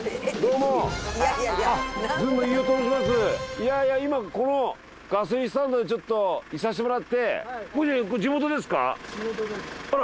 いやいや今このガソリンスタンドでちょっといさせてもらって。